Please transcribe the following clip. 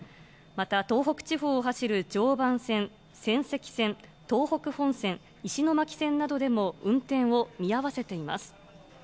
また、東北地方を走る常磐線、仙石線、東北本線、石巻線などでも運転を見合わせています。